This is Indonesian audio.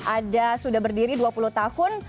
ada sudah berdiri dua puluh tahun